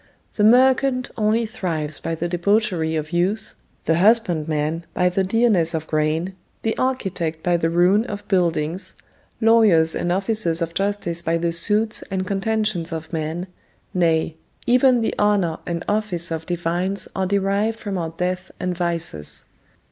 The merchant only thrives by the debauchery of youth, the husband man by the dearness of grain, the architect by the ruin of buildings, lawyers and officers of justice by the suits and contentions of men: nay, even the honour and office of divines are derived from our death and vices.